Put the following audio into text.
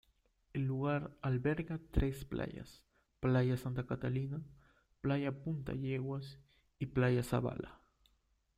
El lugar alberga tres playas: playa Santa Catalina, playa Punta Yeguas y playa Zabala.